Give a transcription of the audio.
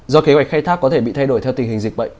do kế hoạch khai thác có thể bị thay đổi theo tình hình dịch bệnh